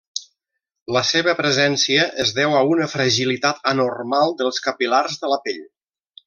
La seva presència es deu a una fragilitat anormal dels capil·lars de la pell.